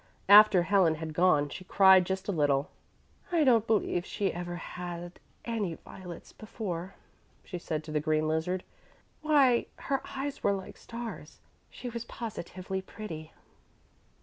After Helen had gone she cried just a little. "I don't believe she ever had any violets before," she said to the green lizard. "Why, her eyes were like stars she was positively pretty."